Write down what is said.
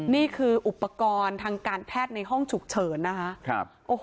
นี่คืออุปกรณ์ทางการแพทย์ในห้องฉุกเฉินนะคะ